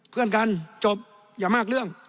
เพื่อนกันจบอย่ามากเรื่อง